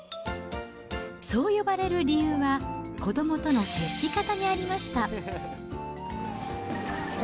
そう呼ばれる理由は、子どもとの接し方にありました。